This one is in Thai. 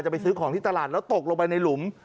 ไปซื้อของที่ตลาดแล้วตกลงไปในหลุม